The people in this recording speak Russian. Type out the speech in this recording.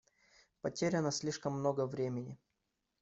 Потеряно слишком много времени.